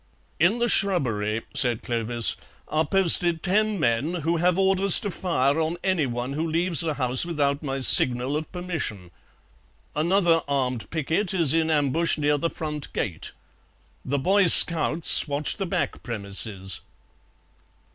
"In the shrubbery," said Clovis, "are posted ten men who have orders to fire on anyone who leaves the house without my signal of permission. Another armed picquet is in ambush near the front gate. The Boy scouts watch the back premises."